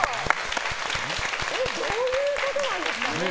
どういうことなんですか？